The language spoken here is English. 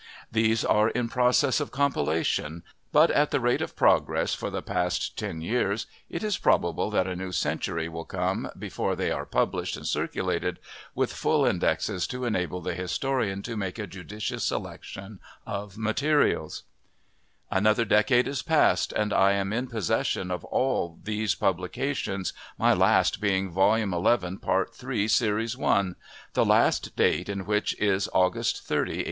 These are in process of compilation; but, at the rate of progress for the past ten years, it is probable that a new century will come before they are published and circulated, with full indexes to enable the historian to make a judicious selection of materials" Another decade is past, and I am in possession of all these publications, my last being Volume XI, Part 3, Series 1, the last date in which is August 30, 1862.